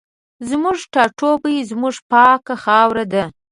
زموږ ټاټوبی زموږ پاکه خاوره ده